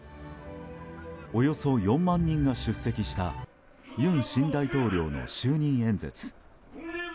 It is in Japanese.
およそ４万人が出席した尹新大統領の就任演説。